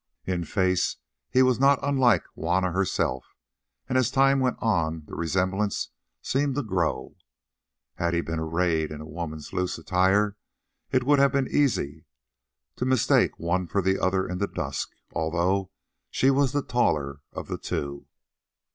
In face he was not unlike Juanna herself, and as time went on the resemblance seemed to grow. Had he been arrayed in a woman's loose attire, it would have been easy to mistake one for the other in the dusk, although she was the taller of the two.